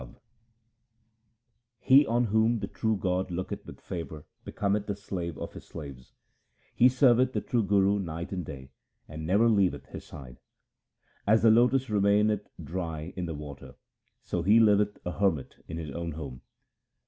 234 THE SIKH RELIGION He on whom the true God looketh with favour becometh the slave of His slaves : He serveth the true Guru night and day and never leaveth his side : As the lotus remaineth dry in the water, so he liveth a hermit in his own home.